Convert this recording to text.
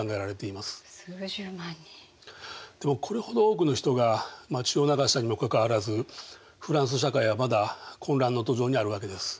でもこれほど多くの人が血を流したにもかかわらずフランス社会はまだ混乱の途上にあるわけです。